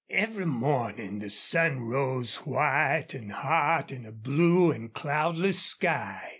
Every morning the sun rose white and hot in a blue and cloudless sky.